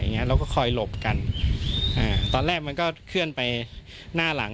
แล้วก็คอยหลบกันอ่าตอนแรกมันก็เคลื่อนไปหน้าหลัง